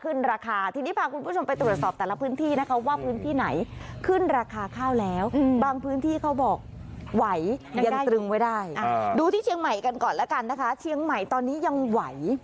ขึ้นราคาทีนี้พาคุณผู้ชมไปตรวจสอบแต่ละพื้นที่นะคะว่าพื้นที่ไหนขึ้นราคาข้าวแล้วบางพื้นที่เขาบอกไหวยันตรึงไว้ได้ดูที่เชียงใหม่กันก่อนแล้วกันนะคะเชียงใหม่ตอนนี้ยังไหว